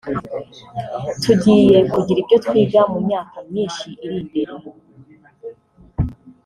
Tugiye kugira ibyo twiga mu myaka myinshi iri imbere